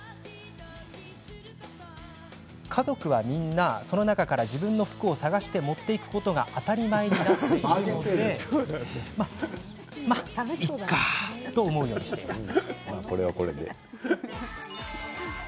家族はみんなその中から自分の服を探して持っていくことが当たり前になっているのでまあ、いっかと思うようにしています。